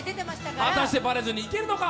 果たしてバレずにいけるのか。